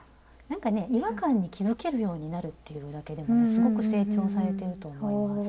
違和感に気付けるようになるっていうだけでもねすごく成長されていると思います。